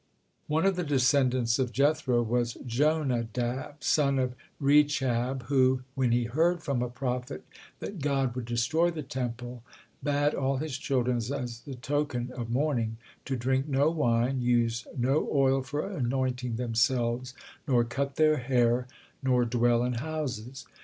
One of the descendants of Jethro was Jonadab, son of Rechab, who, when he heard from a prophet that God would destroy the Temple, bade all his children, as a toke of mourning, to drink no wine, use no oil for anointing themselves, nor cut their hair, nor dwell in houses.